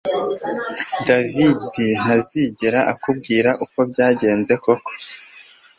David ntazigera akubwira uko byagenze koko